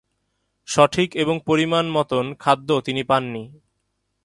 সঠিক এবং পরিমান মতন খাদ্য তিনি পাননি।